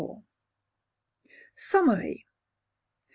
Summary.